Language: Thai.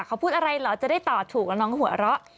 เขาพูดอะไรเหรอจะได้ตอบถูกแล้วน้องก็หัวเราะ